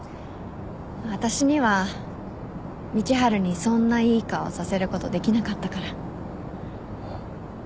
私には道春にそんないい顔させることできなかったから。